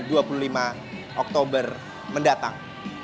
pada tanggal dua puluh lima oktober mendatang